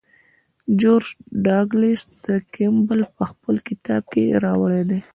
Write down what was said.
جورج ډاګلاس کیمبل په خپل کتاب کې راوړی دی.